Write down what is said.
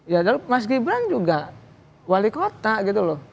ya mas gibran juga wali kota gitu loh